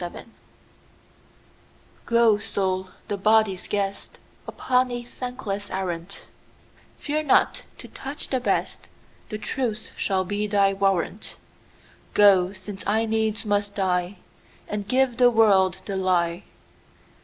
The Lie GO, Soul, the body's guest, Upon a thankless arrant:Fear not to touch the best; The truth shall be thy warrant:Go, since I needs must die, And give the world the lie.